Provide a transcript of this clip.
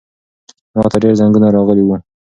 ماته ډېر زنګونه راغلي وو.